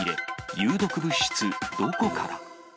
有毒物質どこから？